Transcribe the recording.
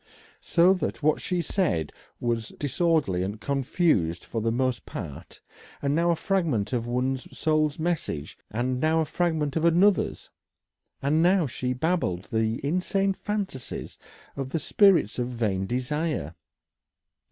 So that what she said was disorderly and confused for the most part; now a fragment of one soul's message, and now a fragment of another's, and now she babbled the insane fancies of the spirits of vain desire.